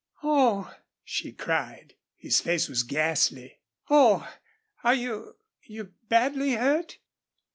"Oh!" she cried. His face was ghastly. "Oh! are you you badly hurt?"